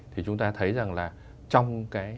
thì chúng ta thấy rằng là trong cái